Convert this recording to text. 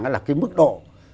nó là cái mức độ